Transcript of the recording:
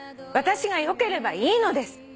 私がよければいいのです』」